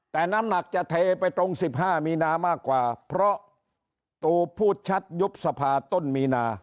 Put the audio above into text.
แต่น้ำหนักจะเทไปตรง๑๕มีนามากกว่าเพราะตูพูดชัดยุบสภาต้นมีนา